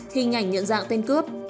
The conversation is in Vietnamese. hình ảnh nhận dạng tên cướp